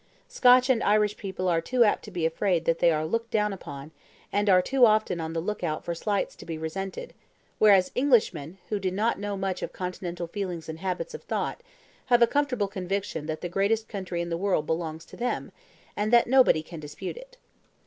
Scotch and Irish people are apt to be afraid that they are looked down upon, and are too often on the look out for slights to be resented, whereas Englishmen, who do not know much of continental feelings and habits of thought, have a comfortable conviction that the greatest country in the world belongs to them, and that nobody can dispute it.